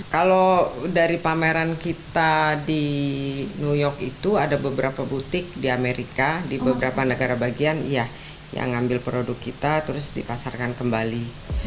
kalau dari pameran kita di new york itu ada beberapa butik di amerika di beberapa negara bagian iya yang ngambil produk kita terus dipasarkan kembali